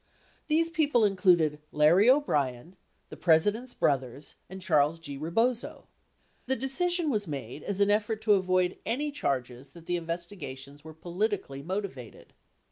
These people included Larry O'Brien, the President's brothers, and Charles G. Rebozo. The decision was made as an effort to avoid any charges that the investigations were politically motivated.